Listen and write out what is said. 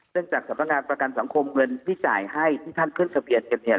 จากสำนักงานประกันสังคมเงินที่จ่ายให้ที่ท่านขึ้นทะเบียนกันเนี่ย